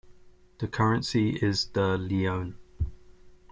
The currency is the leone.